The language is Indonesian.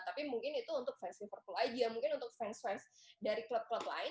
tapi mungkin itu untuk fans liverpool aja mungkin untuk fans fans dari klub klub lain